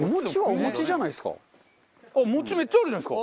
餅めっちゃあるじゃないですか。